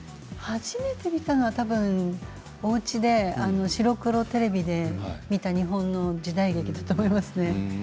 初めて見たのはおうちで白黒テレビで見た日本の時代劇だと思いますね。